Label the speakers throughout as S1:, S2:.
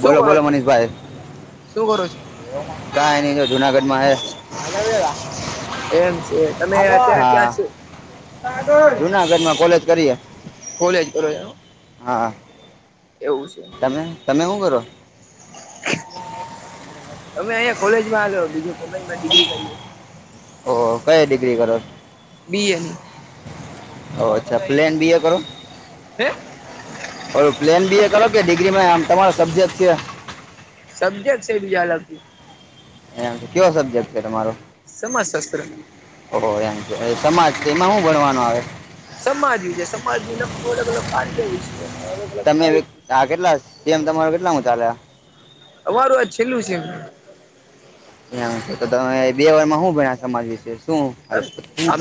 S1: શું
S2: બોલો
S1: કરો
S2: બોલો
S1: છો શું કરો છો.
S2: કા ન જો જુનાગઢમાં હ.
S1: એમ છે તમે અત્યારે ક્યાં છો.
S2: જુનાગઢમાં કોલેજ કરીએ
S1: ખલ છે બરો.
S2: હા તમે તમે શું કરો
S1: અમે અહીં કોલેજમાં્યો બીજું કોલેજમાં ડિગ્રી કર.
S2: ઓ કઈ ડિગ્રી કરો અચ્છા પ્લેન બી એ કરો.
S1: હે
S2: ઓ પ્લેન બી એ કરો કે ડિગ્રીમાં આમ તમારો સબજેક્ટ છે.
S1: સબ્જેક્ટ છે એ બીજ અલગથી.
S2: એમ કેવો સબ્જેક્ટ છે તમારો.
S1: સમાજશાસ્ત્ર
S2: ઓ એમ છે સમાજ એમાં શું ભણવાનું આવે.
S1: સમાજ વિ છે સમાજની લખતું અલગ અલગ કાર્ય વિશે અલગ અલગ
S2: તમે વે-
S1: માહિતી.
S2: આ કેટલા સેમ તમારો કેટલા હ ચાાલ્યા.
S1: અમારું આજ છેલ્લું છે એ.
S2: બેમાં બે સમમાજ વિશેષ.
S1: મ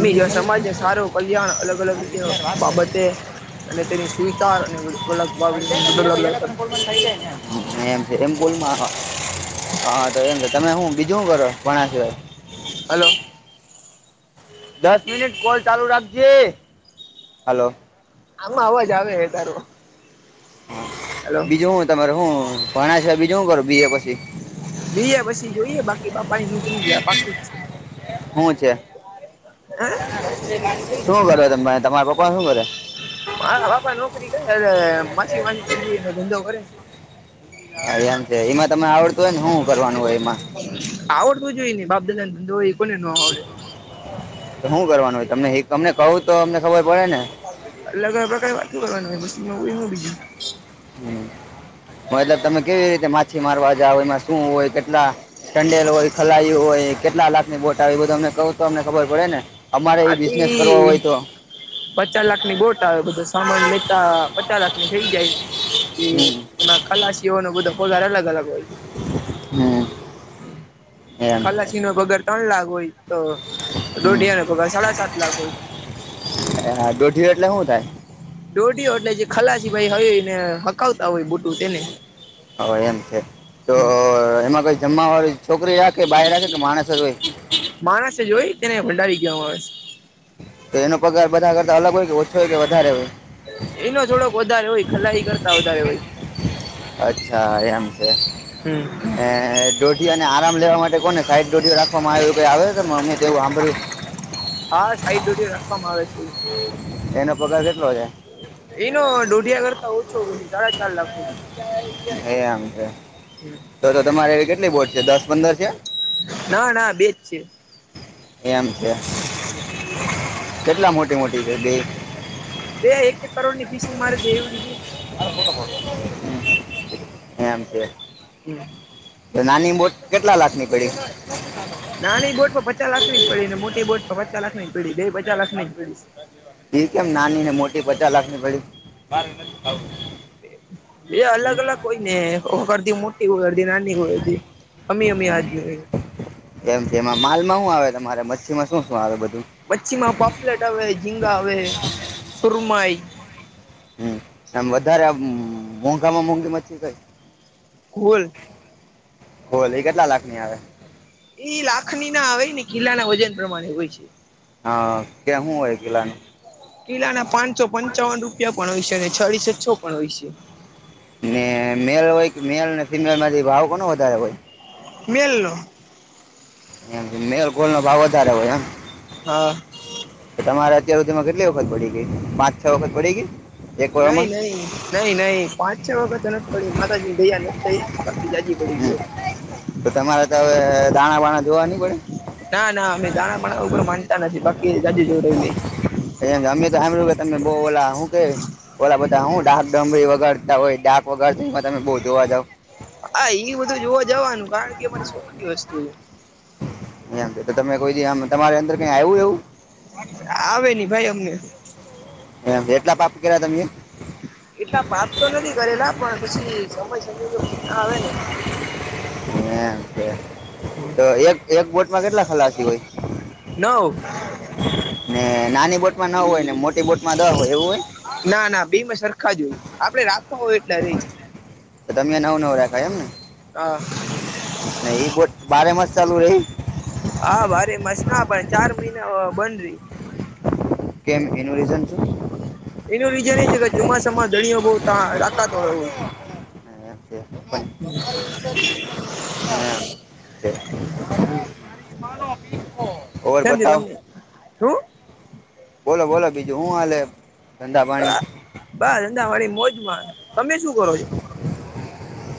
S1: આી જો સમાજને સારું કલ્યાણ અલગ અલગ રીતે બાબતે. અને તેની સુવચાર અને અલગ
S2: એમ બોલ હા તો એમ છે તમે હું બીજું શું કરો ઘણા સિવાય
S1: હલો
S2: દસ મિનિટ કોલ ચાલુ રાખજે હલો
S1: આમાં અવાજ આવે હે તારો હલો
S2: બીજું હું તમારે હું ભણા સિવાય બીજુ હું કરું બી એ પછી
S1: બી એ પછી જોઈએ બાકી બાપાની નોકરી પાકી જ છે.
S2: હું છે. શું કરે ત તમારા પપ્પા શું કરે
S1: મારા બાપા નોકરી એટલે માછીમારની ચીંધી એમાં ધંધો કરે છે.
S2: હા એમ છે એમાં તમે આવડતું હોય ને હું હું કરવાનું હોય એમાં
S1: આવડતું જ હોઈ ને બાપદાદાનો ધંધો હોય કોને ન આવડે
S2: હું કરવાનું હોય તમને એક તમને કહું તો અમને ખબર પડે ને
S1: અલગ અલગ પ્રકારારે વાતો કરવાનું [unintelligible] હું બીજું
S2: મતલબ તમે કેવી રીતે માછીમારવા જાવ એમાં શું હોય કેટલા ટંડેલ હોય ખલાઈ હોય કેટલા લાખની બોટ આવે એ બધું અમને બધું કહું તો અમને ખબર પડે ને અમારે એ બિઝનેસ કરવો હોય
S1: આતી
S2: તો
S1: પચાલાખ ની બોટ આવે બધું સામાન લેતા પચાલાખની થઇ જાય એ
S2: હમ
S1: એમાં ખલાસીઓનો બધો પગાર અલગ અલગ હોય
S2: હમ એમ
S1: ખલાસી ન વગર ત્રણ લાખ હોય તો દોથયાનો
S2: હા દોઢીયો એટલે શું થાય
S1: દોઢયો એટલે જે ખલાસી ભાઈ હયને હકાવતા હોય બુટું તેને
S2: હ એમ છે તો અહહ એમાં કોઈ જમવા વળી છોકરીએ કે બાયર આ છે કે માણસ જ હોય
S1: યોર વોઇસ
S2: તો એનો પગાર બધા કરતા અલગ હોય કે ઓછો હોય કે વધારે હોય
S1: એનો થોડોક વધારે હોય ખલાઈ કરતા વધારે હોય
S2: અચ્છા એમ છે.
S1: હમ
S2: ને દોઢીને આરામ લેવા માટે કોને સાઈડ દોઢી રાખવામાં આવઈ આવે અમેવું સાંભળ્યું [inaudible]
S1: હા સાઈટ ડ્યુળું રાખવામાં આવે છે.
S2: એનો પગાર કેટલો છે.
S1: એનો દોઢિયા કરતા ઓછો હોય છે સાડા ચાર લાખ હોય
S2: એ આમ છે તો તો તમારેવી કેટલી બોટ છે દસ પંદર છે.
S1: ના ના બેજ છે.
S2: એમ છે કેટલા મોટી મોટી છે બે
S1: બે એક એક કરોડ ની ફીસું મારે દેવડી છે.
S2: હેમ છે.
S1: છે
S2: તો નાની બોટ કેટલા લાખ ની પડી
S1: નાની બોટ પર પચાસ લાખની જ પડી ને મોટી બોટ પર પચાસ લાખની પીડી બે પચાલાખની પડી
S2: એ કેમ નાનીને મોટી પચાસ લાખની પડી
S1: એ અલગ
S2: હમ
S1: અલગ કોય નેખરતી મોટી કોઈધ નાની કોઈ અમી અમી આજ
S2: એમ એમાં માલમાં શું આવે તમારે મચ્છીમાં શું શું આવે બધું
S1: મચ્છીમાં પાપલેટ આવે ઝીંગા આવે સુરમઈ
S2: હમમ આમ વધારે આ અમમ મોંઘામાં મોંઘી માછી કઈ
S1: ગુલ
S2: હોલી કેટલા લાખની આવે
S1: એ લાખની ના આવે ને કિલ્લા ના વજન પ્રમાણે હોય છે
S2: હા કેહ હોય ગન
S1: કિલ્લાના પાંચસો પંચાવન રૂપિયા પણ હોય છે અને છળસો છ પણ હોય છે
S2: ને મેલ હોય કે મેલ ને ફિમેલ માંથી ભાવ કોણ વધારે હોય
S1: મલો
S2: એમ મેલ ગોલ નો ભાવ વધારે હોય એમ
S1: હા
S2: અ્યારધીમાં કેટલી વખત પડી ગઈ પાંચ છ વખત પડી ગઈ એક
S1: નહી
S2: વરમાં
S1: નહી નહી નહી પાંચ છ વખત તો નથી પડી માતાજીની ભૈયા નથી થઈ બાકી જાજી પડી ગયો
S2: હ તો તમારે તો હવે દાણા વાણા
S1: ના ના અમે દાણાપ ઉપર માનતા નથી બાકી જા જોવું રહલી
S2: એ અમે તો સાું તમે બ બોલા હું ઓલા બધા હું ડાક ડમરી વગરતા હોય ડાક વગરમાં તમે બહ જોવા જાવ
S1: હા એ બધું જોવા જવાનું કારણ કે અમારી શોખની વસ્તુ છે
S2: મ તમે કોઈમ તમારે અંદર કઈ આવું એવું
S1: આવે નહ ભાઈ અમને
S2: એમ એટલા પાપ કર્યા તમેમ
S1: એટલા વાત તો નથી કરેલા પણ પછી સમય સંજોગે પછી ના આવે ને
S2: હેમ કે તો એક એક બોટમાં કેટલા ખલાસી હોય
S1: નવ
S2: ને નાની બોટમાં ન હોય એ મોટી બોટમાં દવા હોય એવું હોય
S1: બેમાં સરખા જોય આપડે રાખવા હોય એટલા રહી
S2: ગાયમને
S1: હ
S2: નહી એ બોટ બારે માસ ચાલુ રે
S1: હા ભારે મસ ના પણડ ચાર મહિના બન રહી
S2: કેમ એનું રીઝન શું
S1: એનું રીઝન એ છે કે ચોમાસામાં દણયો બહુ ત લકાત વાો હોય
S2: તમારી રીતે મળે ઓર
S1: કેમજ
S2: બતાવ
S1: શું
S2: બોલો બોલો બીજું હું હાલે ધંધા પાણી
S1: બા ધંધા વાળી મોજમાં તમે શું કરો છો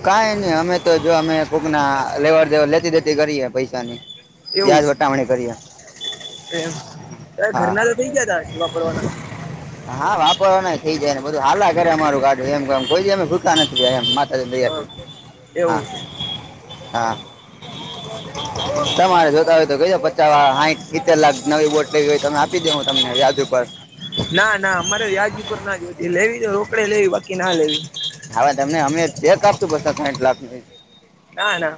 S2: કઈ નહી અમે તો જો અમે બૂક ના લેવડ દેવ લેતી દેતી કરીએ પૈસાની વ્યાજ વટામણી કરીએ
S1: એ ત
S2: હા
S1: ઘરના તો થઇ ગયા તા સીવાપરવાના
S2: હા વાપરવાના થઈ જાય ને બધું હાલલા ઘરે અમાર ગામ કોઈમે ભૂકા નથી જાય એ માતાજી
S1: હા
S2: દયાથી હા
S1: એવું છે
S2: હા તમારે જો તો ક પચા હ સીતેર લાખ નવી બોટ લેવી હોય તો તમે આપી દે હું તમને યાદ ઉપર
S1: ના ના અમારે વ્યાજ ઉપર ના જોતી લેવી તો રોકડે લેવી બાકી ના લેવી
S2: હાવે તમને અમે ચેક આપશું પ સાઠ લાખ ન
S1: હ ના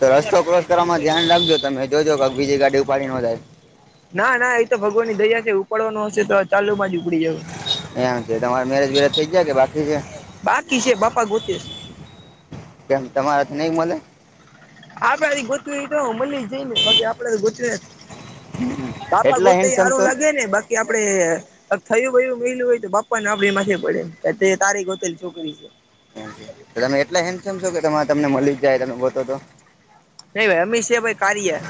S2: તો રસ્તો ક્રોસ કરવાવામાં ધ્યાન રાખજો તમે જોજો કક બીજી ગાડી ઉપાડી નંધાય
S1: ના ના એ તો ભગવાનની દયા છે ઉપાડવાનો હશે તો ચાલુ માં જ ઉપડી જવ
S2: એમ છે તમારે મેરેજ વેરેજ થઈ જાય કે બા
S1: બાકી છે બાપા ગોતે
S2: કેમ તમારાથી નઈ મળ
S1: આપડાથી ગોતવી તો મને જઈ ને બાકી આપડથી ગોતવી પાપા
S2: એટલા હેન્ડસમ છો
S1: ગોતેયારું લગે ને બસ આપડે થયું હોય મહું હોય તો બાપ્પ ને આપડી માથે પડે તારી ગોતેલી છોકરી છે
S2: તમે એટલા હેમ-સેમ છો કે તમને મળી જ જાય તમે ગોતો તો.
S1: ન ભાઈ અમીસ ભાઈ કાર્યે.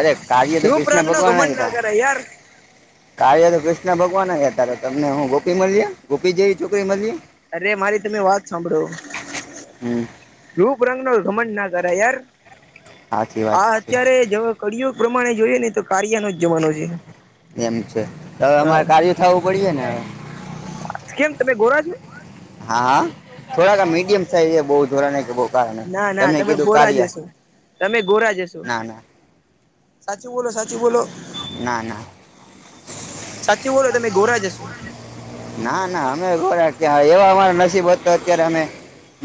S2: અરે કાવ્ય તો
S1: રૂપ
S2: કૃષ્ણ
S1: રંગ નો
S2: ભગવાન
S1: ઘમંડ ના
S2: હતા.
S1: કરે યાર
S2: કાવ્ય કૃષ્ણ ભગવાન હતા તમને હું ગોપી મળીએ ગોપી જેવી છોકરી મળે.
S1: અરે મારી તમે વાત સાંભળો.
S2: હમ
S1: પુરાતન નો ધમંડ નો કરાય યાર
S2: સાચી વાત
S1: આ
S2: છે
S1: અત્યારેજ કડીયુગ પ્રમાણે. જોઈએ નેતો કારિયા નો જમાનો છે.
S2: એમ છે, હવે અમારે
S1: હ
S2: કાર્ય થવું પડીશે ને.
S1: કેમ તમે ગોરા છો.
S2: હા થોડા મીડિયમ સાઈઝ બહુ જોરા ન કે બહુ. કારણ
S1: ના ના તમે
S2: કીધું
S1: ગોરા
S2: કાર્ય
S1: જશો તમે ગોરા જશો.
S2: ના ના
S1: સાચી બોલો, સાચી બોલો.
S2: ના, ના.
S1: સાચું બોલો તમે ગોરા જ હશો
S2: ના, ના અમે ક્યાં એવા અમારા નસીબ હતો, તો અત્યારે અમે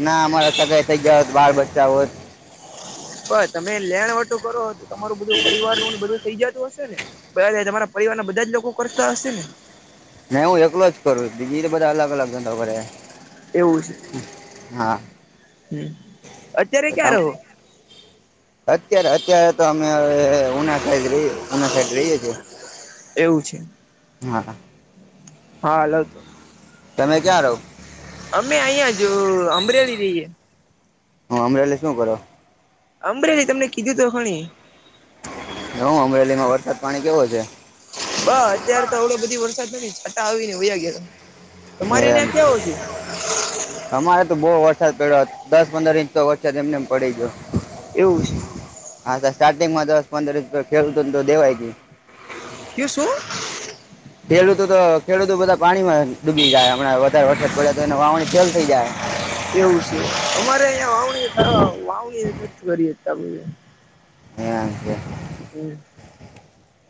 S2: ના અમારે થ‌ઇ ગયા હોત બાર બચા હોત.
S1: પણ તમે લેણવટું કરો તો તમારું બધું પરિવાર નું બધું થઈ જતું હશે, ને બધા જ તમારા પરિવારના બધા જ લોકો કરતા હશે ને
S2: ને અલગ અલગ એ બધા [inaudible]
S1: એવું છે,
S2: હા
S1: હું અત્યારે
S2: તો
S1: ક્યાં
S2: તમ
S1: રહો.
S2: અત્યારે અત્યારે તો અમે ઉના સાઈડ રહીએ ઉના સાઈડ રહીએ છીએ.
S1: એવું છે.
S2: હા. હા
S1: હાલવતો.
S2: તમે ક્યાં રહો.
S1: અહિયાં જ અમરેલી રહીએ
S2: હ અમરેલી શું કરો.
S1: અમરેલી તમને કીધું તો ખણી.
S2: [unintelligible] [inaudible] હ અમરેલી માં વરસાદ પાણી કેવો છે.
S1: તાઆવી ને વયા ગયા તા.
S2: એમ અમારે તો બહુ વરસાદ પડ્યો હતો. દસ પંદર ઇંચ તો વચ્ચે તેમનેમ પડી ગયો.
S1: એવું છે.
S2: સ્ટાર્ટિંગ માં દસ પંદરસ રૂપ ખેડૂતોનું ને તો દેવાય ગ‌ઈ.
S1: કે શું.
S2: જો બધા પાણીમાં ડૂબી જાય હમણાં વધારે વરસાદ પડે તો એ વાવણી ફેલ થઈ જાય.
S1: એવું છે, અમારે અહીંયા વાવણી વાવણી નથી કરી શકતા.
S2: હજી.
S1: હું.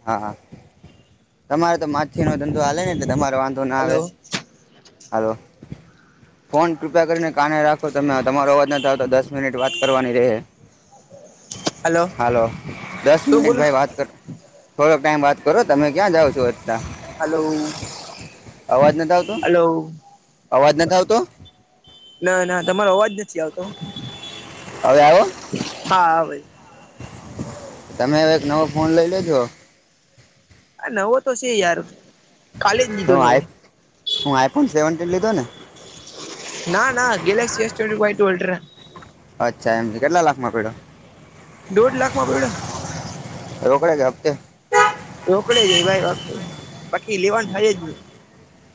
S2: હા, હા તમારે તો માછી નો ધંધો હા ને તમારે વાંધો ના આવે,
S1: હલો
S2: હાલો. ફોન કૃપા કરીને કાને રાખો તમે તમારો અવાજ નહીં આવ તો દસ મિનિટ વાત કરવાની રહે.
S1: હલો
S2: હાલો દસ
S1: શું
S2: મિનિટ
S1: બોલો
S2: ભાઈ વાત કરતા. થોડોક ટાઈમ વાત કરો તમે ક્યાં જાઓ છો. અત્યારે
S1: હાલો.
S2: અવાજ નથી આવતો અવાજ નથી આવતો.
S1: ના ના તમારો અવાજ નથી આવતો.
S2: હવે આવો.
S1: હા આવે.
S2: તમે એક નવો ફોન લઈજો.
S1: આ નવો તો છે, યાર કાલે જ
S2: હ
S1: દીધો નવો
S2: હું આઈફોન સેવનન્ટીન લીધો ને.
S1: ના ના ગેલેક્સી એવન્ટ ટલરા
S2: પીડા
S1: પડ્યો
S2: રોકડે કેયા હપ્તે?
S1: રોકડે જ ભાઈ બાકી લેવાનું થાય જ નહી.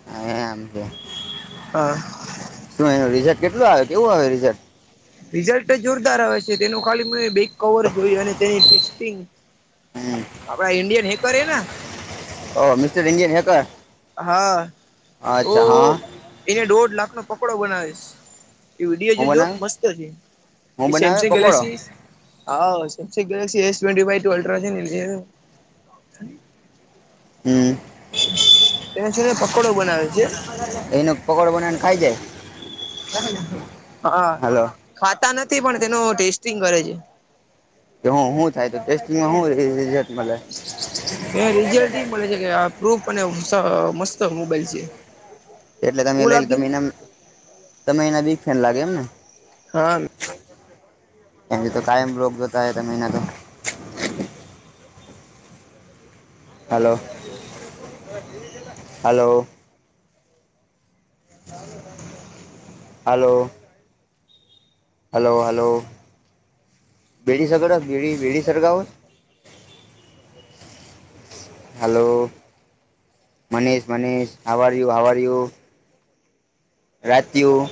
S2: હ એ [inaudible] આમ છે
S1: હા
S2: શું એ ર કેટલું આવે કેવું આવે રિઝલ્ટ
S1: રિઝલ્ટ જોરદાર આવે છે, તેનું ખાલી કવર જોય અને તે ટેસ્ટિંગ
S2: હમ
S1: આપડા ઇન્ડિયન હે કરે,
S2: ઓ મિસ્ટર ન્જિયન હે ક
S1: હા તો
S2: હા
S1: એને દોઢ લાખ નો પકડો બનાવીશ. એ
S2: હું
S1: વિડીયો જોજ
S2: બનાવે
S1: મસ્તશે,
S2: હું બનાવે
S1: સેમસંગ
S2: પકોડો
S1: ગેલેક્સી હા સેમસંગ ગેલેક્સી એવે અલ્ટ્રા છે.
S2: હમ
S1: એને સુું પકોડો બનાવે છે.
S2: એનો પકોડો બનાવીને ખાઈ જાય
S1: [unintelligible] હા,
S2: હાલો
S1: ખાતા નથી તે પણ તેનો ટેસ્ટિંગ કરે છે,
S2: હું હું થાય તો ટેસ્ટિંગમાં હું રિજલ્ટ મલે,
S1: રિજલ્ટ ઈ મળે છે કે, આ પ્રૂફ અને મસ્ત મોબાઈલ છે
S2: એટલે તમે
S1: કુલ
S2: લઈ લ
S1: આપજે
S2: તમે
S1: ને
S2: એના તમે એના બી ફેન લાગે એમને,
S1: હા,
S2: એને તો કાયમ રોગ જોતા તો મહિના તો hello hello hello, hello hello બેડીસગર બીડી બીડી સરગાવો, હાલો, મનીષ મનીષ હવાર યુ આવવાર યુ?? રાતીયુ.